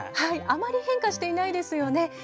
あまり変化していないですよね。